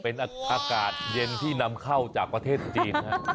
เป็นอากาศเย็นที่นำเข้าจากประเทศจีน